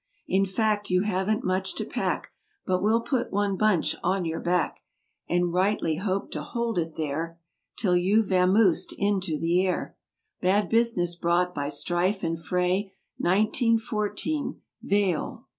In fact you haven't much to pack; But we'll put one bunch on your back (And rightly hope to hold it there 172 'Till you've vamoosed into the air) "Bad Business" brought by strife and fray— Nineteen fourteen, VALE!